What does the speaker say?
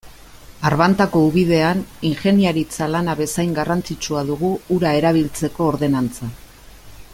Arbantako ubidean ingeniaritza lana bezain garrantzitsua dugu ura erabiltzeko ordenantza.